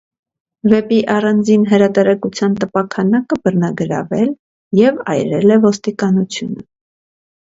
Վեպի առանձին հրատարակության տպաքանակը բռնագրավել և այրել է ոստիկանությունը։